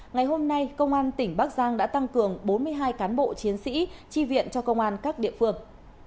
ngày hôm nay công an tỉnh bắc giang đã tăng cường bốn mươi hai cán bộ chiến sĩ tri viện cho công an các địa phương